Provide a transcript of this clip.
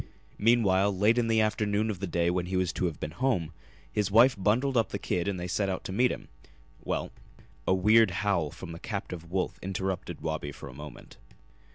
Meanwhile, late in the afternoon of the day when he was to have been home, his wife bundled up the kid and they set out to meet him. Well " A weird howl from the captive wolf interrupted Wabi for a moment.